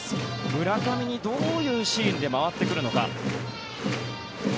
村上にどういうシーンで回ってくるのか。